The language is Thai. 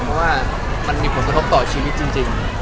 เพราะว่ามันมีผลกระทบต่อชีวิตจริง